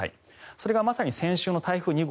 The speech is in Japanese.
それがまさに先週の台風２号